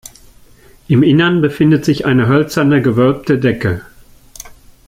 Im Innern befindet sich eine hölzerne, gewölbte Decke.